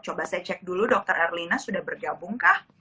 coba saya cek dulu dr erlina sudah bergabung kah